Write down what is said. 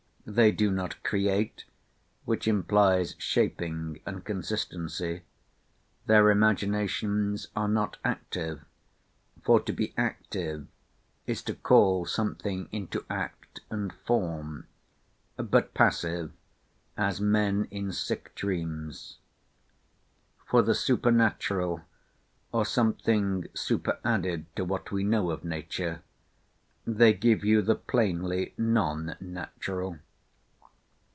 They do not create, which implies shaping and consistency. Their imaginations are not active—for to be active is to call something into act and form—but passive, as men in sick dreams. For the super natural, or something super added to what we know of nature, they give you the plainly non natural.